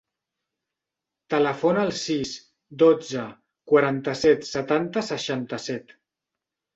Telefona al sis, dotze, quaranta-set, setanta, seixanta-set.